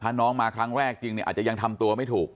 ถ้าน้องมาครั้งแรกจริงเนี่ยอาจจะยังทำตัวไม่ถูก